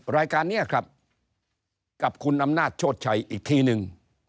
รายการนี้ครับกับคุณอำนาจโชชัยอีกทีนึง